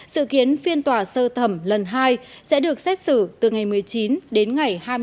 sự kiến phiên tòa sơ thẩm lần hai sẽ được xét xử từ ngày một mươi chín đến ngày hai mươi tháng chín